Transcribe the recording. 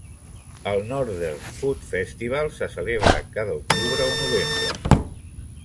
El Northern Food Festival se celebra cada octubre o novembre.